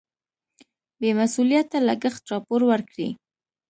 بې مسؤلیته لګښت راپور ورکړي.